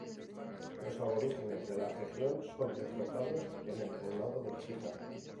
Los aborígenes de la región son derrotados en el poblado de Chita.